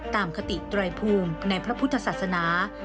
คติไตรภูมิในพระพุทธศาสนา